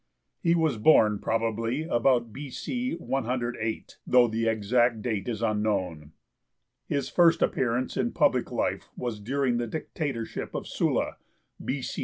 He was born probably about B.C. 108, though the exact date is unknown. His first appearance in public life was during the dictatorship of Sulla (B.C.